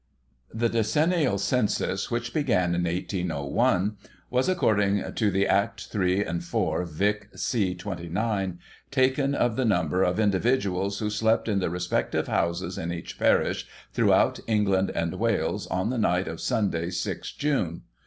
The decennial Census, which began in 1801, was, according to the Act 3 and 4 Vic, c. 29, taken of the number of in dividuals who slept in the respective houses in each parish, throughout England and Wales, on the night of Sunday, 6 June.